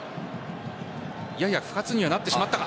やや不発にはなってしまったか。